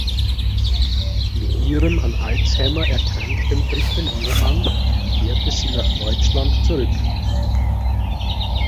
Mit ihrem an Alzheimer erkrankten dritten Ehemann kehrte sie nach Deutschland zurück.